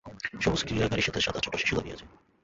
সবুজ ক্রীড়া গাড়ির কাছে সাদা ছোট শিশু দাঁড়িয়ে আছে।